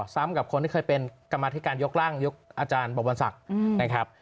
ซ้ำกับคนที่เคยเป็นกรรมธิการยกร่างยกอาจารย์บวรศักดิ์นะครับ